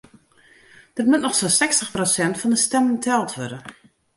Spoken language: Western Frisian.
Der moat noch sa'n sechstich prosint fan de stimmen teld wurde.